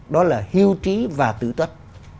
đó là hưu trí và tứ tuất